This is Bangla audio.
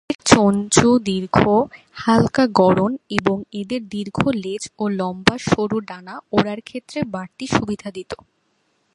এদের চঞ্চু দীর্ঘ, হালকা গড়ন এবং এদের দীর্ঘ লেজ ও লম্বা সরু ডানা ওড়ার ক্ষেত্রে বাড়তি সুবিধা দিতো।